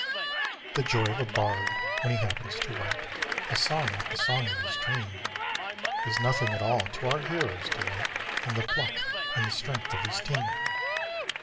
The joy of a bard when he happens to write A song like the song of his dream Is nothing at all to our hero's delight In the pluck and the strength of his team.